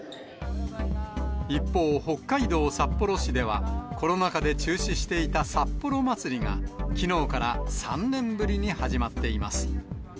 一方、北海道札幌市では、コロナ禍で中止していた札幌まつりが、きのうから３年ぶりに始まっています。